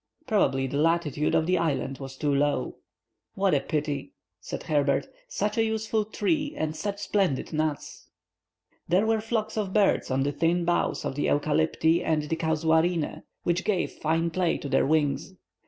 Probably the latitude of the island was too low. "What a pity!" said Herbert, "such a useful tree and such splendid nuts!" There were flocks of birds on the thin boughs of the eucalypti and the casuarinæ, which gave fine play to their wings.